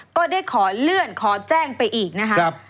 ก็ได้ขอเลื่อนขอแจ้งไปอีกนะครับ